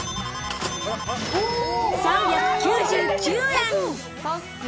３９９円。